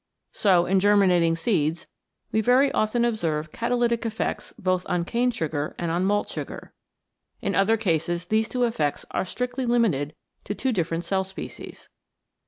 So in germinating seeds we very often observe catalytic effects both on cane sugar and on malt sugar. In other cases these two effects are strictly limited to two different cell species.